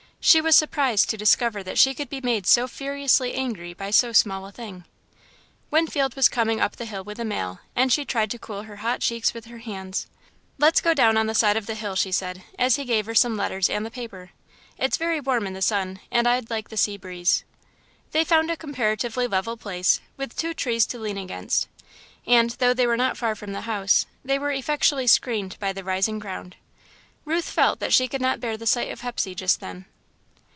She was surprised to discover that she could be made so furiously angry by so small a thing. Winfield was coming up the hill with the mail, and she tried to cool her hot cheeks with her hands. "Let's go down on the side of the hill," she said, as he gave her some letters and the paper; "it's very warm in the sun, and I'd like the sea breeze." They found a comparatively level place, with two trees to lean against, and, though they were not far from the house, they were effectually screened by the rising ground. Ruth felt that she could not bear the sight of Hepsey just then.